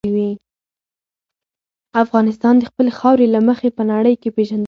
افغانستان د خپلې خاورې له مخې په نړۍ کې پېژندل کېږي.